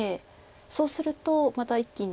そうするとまた一気に。